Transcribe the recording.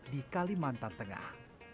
di kalimantan tengah